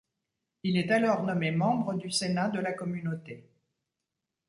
Il est alors nommé membre du Sénat de la Communauté.